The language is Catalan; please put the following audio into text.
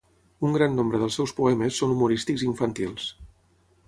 Un gran nombre dels seus poemes són humorístics i infantils.